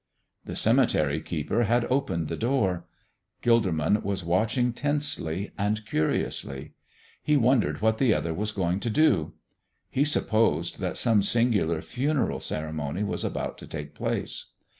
The cemetery keeper had opened the door. Gilderman was watching tensely and curiously. He wondered what the Other was going to do. He supposed that some singular funeral ceremony was about to take place.